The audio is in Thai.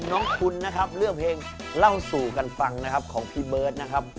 น้องคุณนะครับเลือกเพลงเล่าสู่กันฟังนะครับของพี่เบิร์ตนะครับ